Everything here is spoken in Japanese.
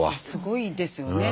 すごいですよね。